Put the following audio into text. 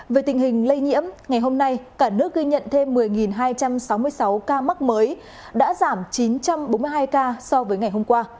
về tình hình lây nhiễm ngày hôm nay cả nước ghi nhận thêm một mươi hai trăm sáu mươi sáu ca mắc mới đã giảm chín trăm bốn mươi hai ca so với ngày hôm qua